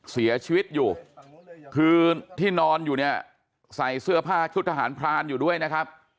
เสียชีวิตอยู่คือที่นอนอยู่เนี่ยใส่เสื้อผ้าชุดทหารพรานอยู่ด้วยนะครับ